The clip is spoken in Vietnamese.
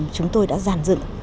chúng tôi đã giàn dựng